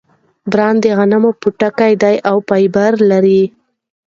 بران د غنم پوټکی دی او فایبر لري.